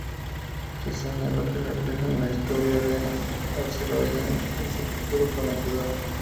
Se señaló que reflejan la historia de Azerbaiyán y su futuro prometedor.